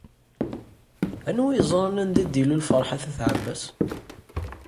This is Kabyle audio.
Anwa i yeẓran anda i d-ilul Ferḥat n At Ɛebbas?